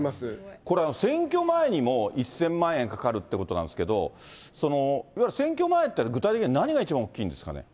これ、選挙前にも１０００万円かかるってことなんですけど、いわゆる選挙前って具体的には何が一番大きいんですかね。